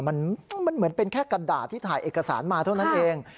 มันเหมือนเป็นแค่กระดาษที่ถ่ายเอกสารมาเท่านั้นเอง